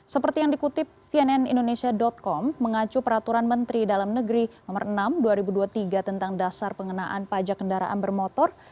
seperti yang dikutip cnn indonesia com mengacu peraturan menteri dalam negeri no enam dua ribu dua puluh tiga tentang dasar pengenaan pajak kendaraan bermotor